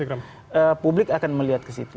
saya pikir publik akan melihat ke situ